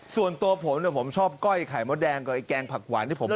ส่วนตัวผมเนี่ยผมชอบก้อยไข่มดแดงกับไอแกงผักหวานที่ผม